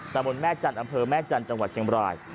ตะบนแม่จันทร์อำเภอแม่จันทร์จังหวัดเชียงบราย